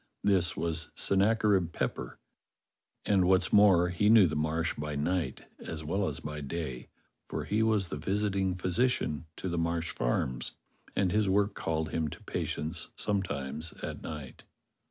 This was Sennacherib Pepper, and, what's more, he knew the Marsh by night as well as by day, for he w^as the visiting phy sician to the Marsh farms, and his work called him to patients sometimes at night.